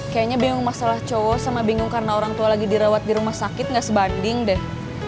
kayaknya bingung masalah cowok sama bingung karena orang tua lagi dirawat di rumah sakit nggak sebanding deh